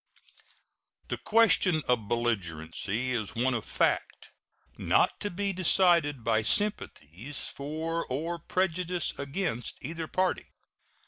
The question of belligerency is one of fact, not to be decided by sympathies for or prejudices against either party.